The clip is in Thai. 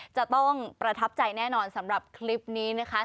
จะต้องประทับใจแน่นอนสำหรับคลิปนี้นะคะ